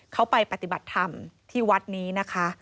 เขาไปปฏิบัติธรรมที่วัดนี้นะคะ